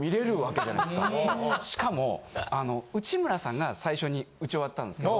しかも内村さんが最初に打ち終わったんですけど。